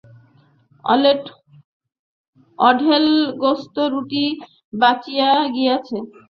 অঢেল গোস্ত-রুটি বাঁচিয়া গিয়াছে।